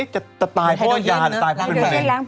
แต่ตายเพราะยาตายเพราะเพลงแผล